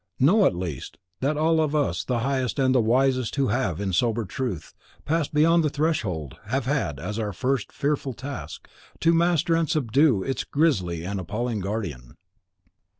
Know, at least, that all of us the highest and the wisest who have, in sober truth, passed beyond the threshold, have had, as our first fearful task, to master and subdue its grisly and appalling guardian.